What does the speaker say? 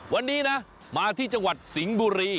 วันนี้นะมาที่จังหวัดสิงห์บุรี